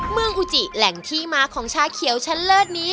เมืองอุจิแหล่งที่มาของชาเขียวชั้นเลิศนี้